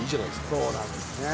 そうなんですね。